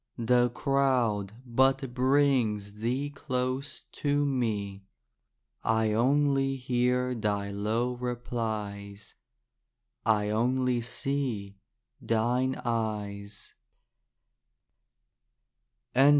The crowd but brings thee close to me. I only hear thy low replies; I only see thine eyes.